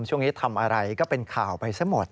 ช่วงนี้ทำอะไรก็เป็นข่าวไปซะหมด